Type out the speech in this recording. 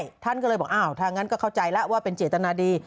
ใช่ท่านก็เลยบอกอ้าวถ้างั้นก็เข้าใจแล้วว่าเป็นเจตนาดี